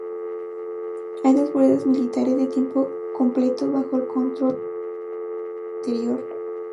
Hay dos fuerzas militares de tiempo completo bajo el control del Departamento del Interior.